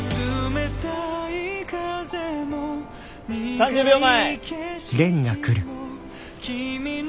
３０秒前！